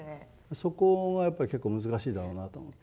そこがやっぱり結構難しいだろうなと思って。